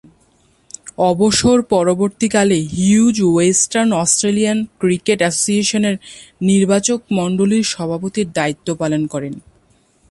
অবসর পরবর্তীকালে Hughes Western Australian cricket অ্যাসোসিয়েশনের নির্বাচকমণ্ডলীর সভাপতির দায়িত্ব পালন করেন।